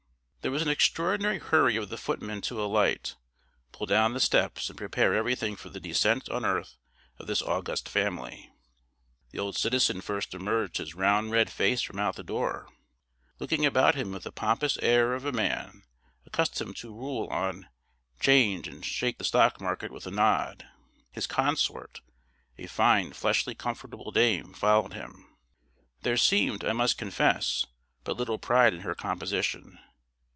There was an extraordinary hurry of the footmen to alight, pull down the steps, and prepare everything for the descent on earth of this august family. The old citizen first emerged his round red face from out the door, looking about him with the pompous air of a man accustomed to rule on 'Change, and shake the Stock Market with a nod. His consort, a fine, fleshy, comfortable dame, followed him. There seemed, I must confess, but little pride in her composition.